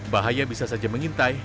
bahaya bisa saja mengintai